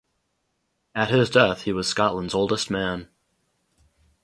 At his death, he was Scotland's oldest man.